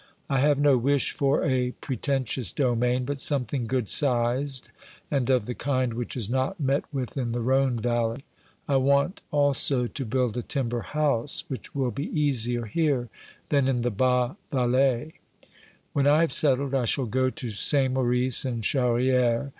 I have no wish for a pre tentious domain, but something good sized and of the kind which is not met with in the Rhone valley. I want also to build a timber house, which will be easier here than in the Bas Valais. When I have settled, I shall go to Saint Maurice and Charrieres.